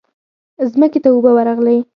ځمکې ته اوبه ورغلې.